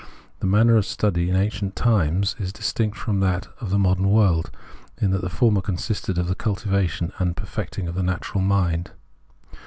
The manner of study in ancient times is distinct from that of the modern world, in that the former consisted in the cultivation and perfecting of the natural mind.